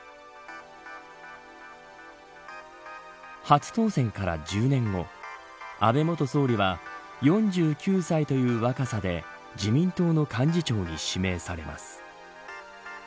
初当選から１０年後安倍元総理は４９歳という若さで自民党の幹事長に指名されます。